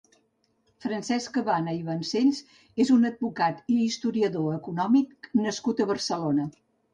Francesc Cabana i Vancells és un advocat i historiador econòmic nascut a Barcelona.